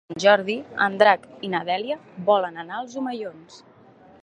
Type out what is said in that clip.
Per Sant Jordi en Drac i na Dèlia volen anar als Omellons.